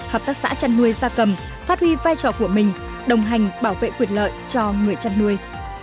hợp tác xã chăn nuôi gia cầm phát huy vai trò của mình đồng hành bảo vệ quyền lợi cho người chăn nuôi